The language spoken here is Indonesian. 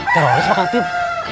teroris pak kantin